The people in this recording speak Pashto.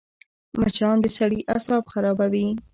مچان د سړي اعصاب خرابوي